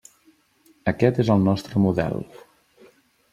Aquest és el nostre model.